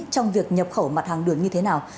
trong việc nhập khẩu mặt hàng đường như thế nào